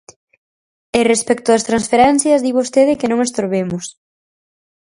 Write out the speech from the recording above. E respecto das transferencias di vostede que non estorbemos.